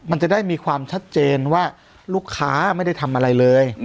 มันจะได้มีความชัดเจนว่าลูกค้าไม่ได้ทำอะไรเลย